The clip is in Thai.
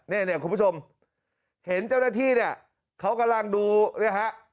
เนี่ยคุณผู้ชมเห็นเจ้าหน้าที่เนี่ยเขากำลังดูเนี่ยฮะ